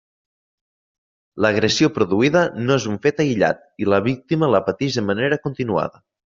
L'agressió produïda no és un fet aïllat i la víctima la patix de manera continuada.